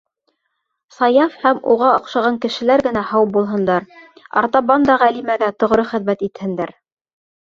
Саяф һәм уға оҡшаған кешеләр генә һау булһындар, артабан да Ғәлимәгә тоғро хеҙмәт итһендәр.